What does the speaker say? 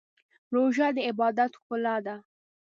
روژه د عبادت ښکلا ده.